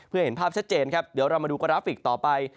เพื่อเห็นภาพชัดเจนครับเดี๋ยวเรามาดูกราฟิกต่อไป